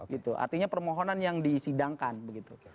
gitu artinya permohonan yang disidangkan begitu